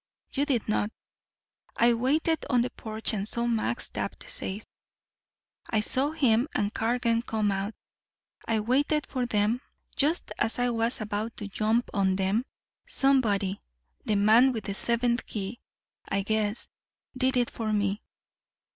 You did not. I waited on the porch and saw Max tap the safe. I saw him and Cargan come out. I waited for them. Just as I was about to jump on them, somebody the man with the seventh key, I guess did it for me.